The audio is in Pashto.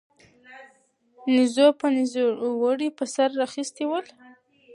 نيزو به نيزوړي پر سر را اخيستي ول